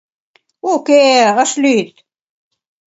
— Уке, ыш лӱд.